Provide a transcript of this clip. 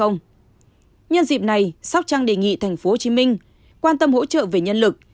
nhân dịp này sóc trăng đề nghị tp hcm quan tâm hỗ trợ về nhân lực